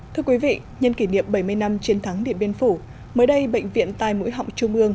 thưa quý vị nhân kỷ niệm bảy mươi năm chiến thắng điện biên phủ mới đây bệnh viện tai mũi họng trung ương